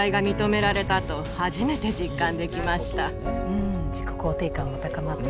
うん自己肯定感も高まって。